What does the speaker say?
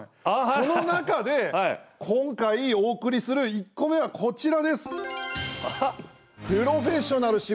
その中で今回お送りする１個目はこちらです。